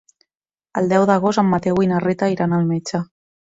El deu d'agost en Mateu i na Rita iran al metge.